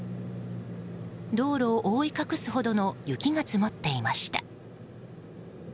道路を覆い隠すほどの雪が積もっていました。